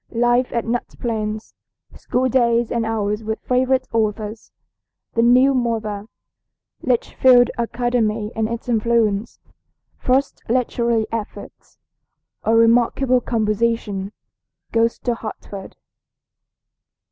LIFE AT NUT PLAINS. SCHOOL DAYS AND HOURS WITH FAVORITE AUTHORS. THE NEW MOTHER. LITCHFIELD ACADEMY AND ITS INFLUENCE. FIRST LITERARY EFFORTS. A REMARKABLE COMPOSITION. GOES TO HARTFORD.